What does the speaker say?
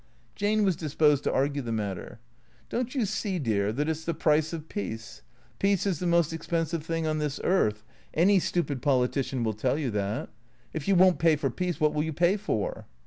Jane was disposed to argue the matter. " Don't you see, dear, that it 's the price of peace ? Peace is the most expensive thing on this earth — any stupid politician will tell you that. If you won't pay for peace, what will you pay for